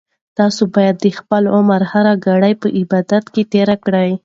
تاسو باید د خپل عمر هره ګړۍ په عبادت تېره کړئ.